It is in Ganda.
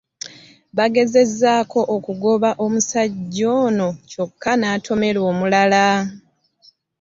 Baagezezzaako okugoba omusajja ono kyokka n'atomeramu omulala.